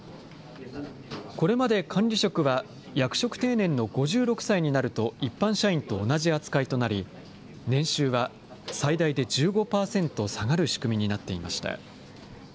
これまで管理職は、役職定年の５６歳になると一般社員と同じ扱いとなり、年収は最大で１５％下がる仕組みになっていました。